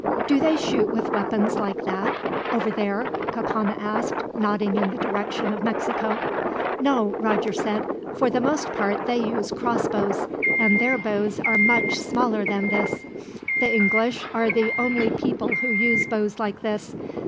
"Do they shoot with weapons like that, over there?" Cacama asked, nodding in the direction of Mexico. "No," Roger said, "for the most part they use crossbows, and their bows are much smaller than this. The English are the only people who use bows like this.